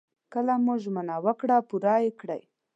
کله مو ژمنه وکړه پوره يې کړئ.